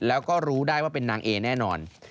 แล้วก็รู้ได้ว่าเป็นนางเอแน่นอน